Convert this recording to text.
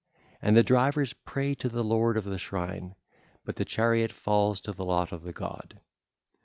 And the drivers pray to the lord of the shrine; but the chariot falls to the lot of the god.